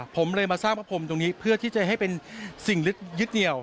ผมเลยมาสร้างพระพรมตรงนี้เพื่อที่จะให้เป็นสิ่งยึดเหนียว